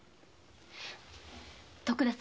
徳田様